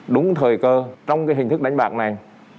đúng thời cơ trong cái hình thức đánh bạc này